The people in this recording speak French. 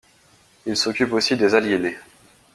Il s’occupe aussi des aliénés.